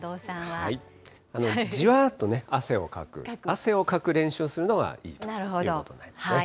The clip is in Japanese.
じわーっとね、汗をかく、汗をかく練習をするのがいいということになりますね。